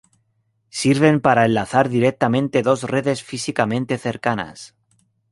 Sirven para enlazar directamente dos redes físicamente cercanas.